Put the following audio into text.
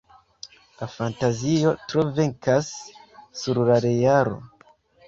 La fantazio tro venkas sur la realo.